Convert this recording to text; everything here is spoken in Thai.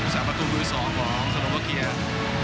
แสบประตูมือ๒ของสนุกว่าเคลียร์